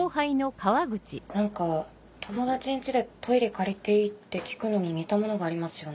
何か友達ん家で「トイレ借りていい？」って聞くのに似たものがありますよね。